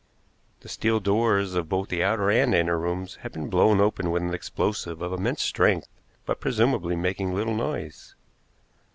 The steel doors of both the outer and inner rooms had been blown open with an explosive of immense strength but presumably making little noise.